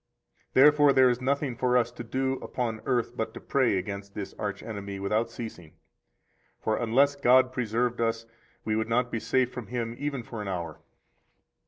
116 Therefore there is nothing for us to do upon earth but to pray against this arch enemy without ceasing. For unless God preserved us, we would not be safe from him even for an hour.